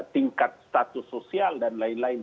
tingkat status sosial dan lain lain